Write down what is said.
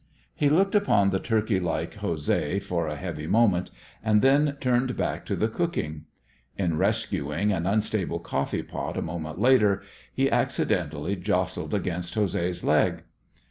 He looked upon the turkey like José for a heavy moment, and then turned back to the cooking. In rescuing an unstable coffee pot a moment later, he accidentally jostled against José's leg.